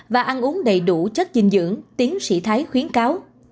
và ăn uống đầy đủ chất dinh dưỡng tiến sĩ thái khuyến cáo